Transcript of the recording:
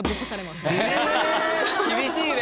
厳しいね。